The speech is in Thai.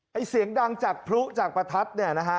ให้เสียงดังจากพลุจากปรารถน์เนี่ยนะฮะ